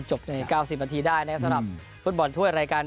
จบใน๙๐นาทีได้นะสำหรับฟุตบอลทั่วรายการนี้